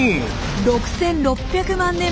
６６００万年前。